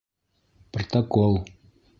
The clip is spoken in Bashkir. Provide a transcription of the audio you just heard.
Протокол!